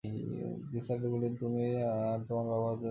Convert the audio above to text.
নিসার আলি বললেন, তুমি আর তোমার বাবা, তোমরা দু জন এখানে থাক?